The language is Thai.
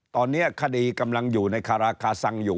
ตอนนี้คดีกำลังอยู่ในคาราคาซังอยู่